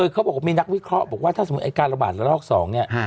เขาบอกว่ามีนักวิเคราะห์บอกว่าถ้าสมมุติไอ้การระบาดระลอก๒เนี่ย